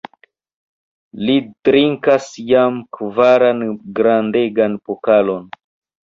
Li drinkas jam kvaran grandegan pokalon!